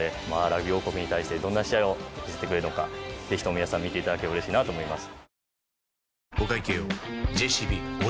ラグビー王国に対してどんな試合を見せてくれるのかぜひとも皆さん見ていただけたらうれしいなと思います。